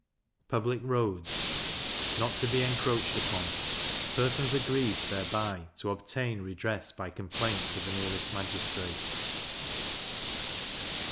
Public Roads not to be encroached upon: persons aggrieved thereby, to obtain redress by complaint to the nearest magistrate.